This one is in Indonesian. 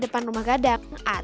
terima kasih pak